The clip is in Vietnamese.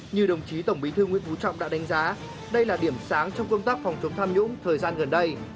như đồng chí tổng bí thư nguyễn phú trọng đã đánh giá đây là điểm sáng trong công tác phòng chống tham nhũng thời gian gần đây